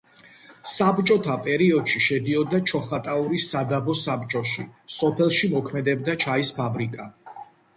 საბჭოთა პერიოდში შედიოდა ჩოხატაურის სადაბო საბჭოში, სოფელში მოქმედებდა ჩაის ფაბრიკა.